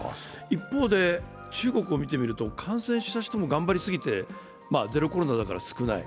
一方で、中国を見てみると、感染した人も頑張りすぎて、ゼロコロナだから少ない。